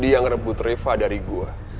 dia ngerebut reva dari gue